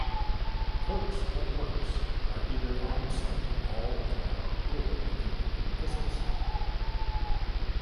Clerks of Works are either on site all the time or make regular visits.